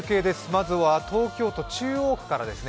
まずは東京都中央区からです。